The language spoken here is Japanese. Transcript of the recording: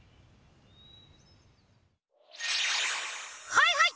はいはい！